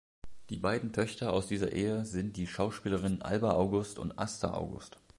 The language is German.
Die beiden Töchter aus dieser Ehe sind die Schauspielerinnen Alba August und Asta August.